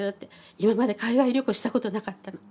今まで海外旅行したことなかったの。